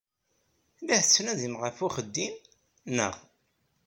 La tettnadim ɣef uxeddim, naɣ?